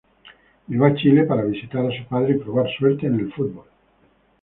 Llegó a Chile para visitar a su padre y probar suerte en el fútbol.